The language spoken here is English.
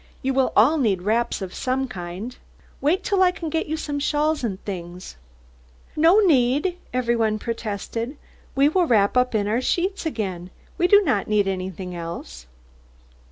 You will all need wraps of some kind. Wait till I can get you some shawls and things." "No, indeed!" every one protested. "We will wrap up in our sheets again. We do not need anything else."